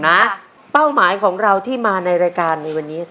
เป้าหมายของเราที่มาในรายการในวันนี้